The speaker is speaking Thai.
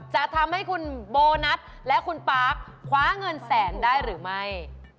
จะทำให้คุณโบนัสและคุณปาร์คคว้าเงินแสนได้หรือไม่